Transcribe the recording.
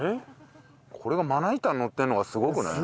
これがまな板にのってるのがすごくない？